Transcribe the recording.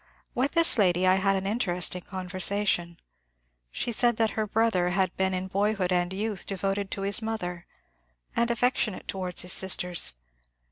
With this lady I had an interesting conversation. She said that her brother had been in boyhood and youth devoted to his mother, and affectionate towards his sisters.